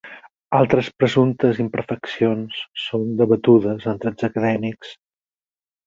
Altres presumptes imperfeccions són debatudes entre els acadèmics.